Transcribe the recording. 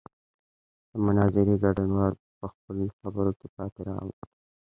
د مناظرې ګډونوال په خپلو خبرو کې پاتې راغلل.